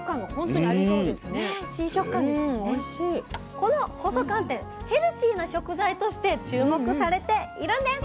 この細寒天ヘルシーな食材として注目されているんです。